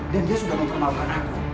dan dia sudah mempermaukan aku